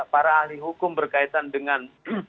para ahli hukum berkaitan dengan